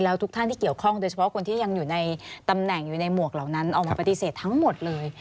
แล้วทุกท่านที่เกี่ยวข้องโดยเฉพาะคนที่ยังอยู่ในตำแหน่งอยู่ในหมวกเหล่านั้นออกมาปฏิเสธทั้งหมดเลย